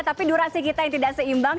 tapi durasi kita yang tidak seimbang